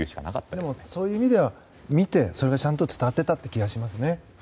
でも、そういう意味では見て、ちゃんと伝わってたという気がしますね。